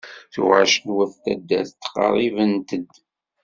Tuɣac n wat n taddart tqerribent-d.